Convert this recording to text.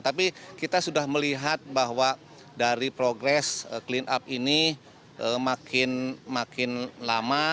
tapi kita sudah melihat bahwa dari progres clean up ini makin lama